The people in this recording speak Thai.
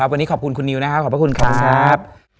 วันนี้ขอบคุณคุณนิวนะครับขอบพระคุณครับ